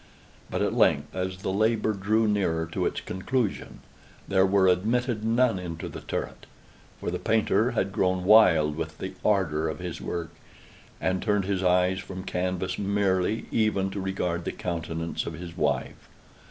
But at length, as the labor drew nearer to its conclusion, there were admitted none into the turret; for the painter had grown wild with the ardor of his work, and turned his eyes from canvas merely, even to regard the countenance of his wife.